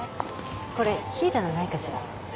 これ冷えたのないかしら？